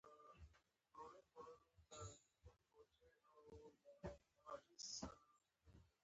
خو په وړه خوله لویې خبرې کوي.